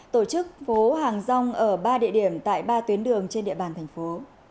tổ chức phố hàng rong ở ba địa điểm tại ba tuyến đường trên địa bàn thành phố